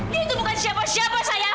dia itu bukan siapa siapa saya